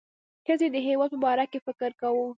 ښځې د هیلو په باره کې فکر کاوه.